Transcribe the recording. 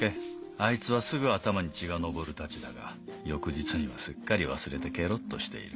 あいつはすぐ頭に血が上るタチだが翌日にはすっかり忘れてケロっとしている。